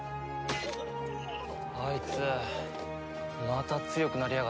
あいつまた強くなりやがった。